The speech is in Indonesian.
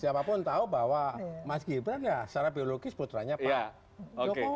siapapun tahu bahwa mas gibran ya secara biologis putranya pak jokowi